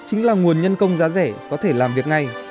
chính là nguồn nhân công giá rẻ có thể làm việc ngay